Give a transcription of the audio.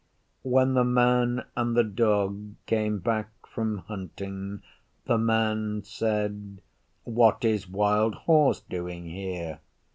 When the Man and the Dog came back from hunting, the Man said, 'What is Wild Horse doing here?